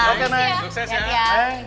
oke sukses ya